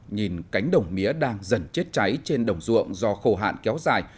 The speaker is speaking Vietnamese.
nhìn cánh đồng mía đang dần chết cháy trên đồng ruộng do khô hạn kéo dài